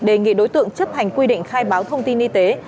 đề nghị đối tượng chấp hành quy định khai báo thông tin y tế